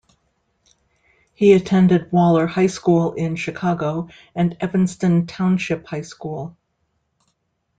He attended Waller High School in Chicago and Evanston Township High School.